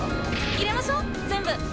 入れましょう全部。